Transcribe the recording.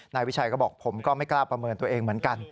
นายวิชัยก็บอกผมก็ไม่กล้าประเมินตัวเองเหมือนกัน